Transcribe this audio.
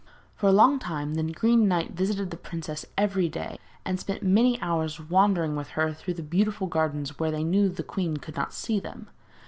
For a long time, the Green Knight visited the princess every day, and spent many hours wandering with her through the beautiful gardens where they knew the queen could not see them.